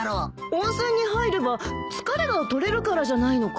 温泉に入れば疲れが取れるからじゃないのか？